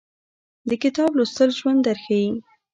د کتاب لوستل ژوند درښایي